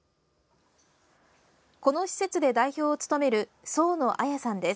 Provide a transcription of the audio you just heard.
この施設で代表を務める宗野文さんです。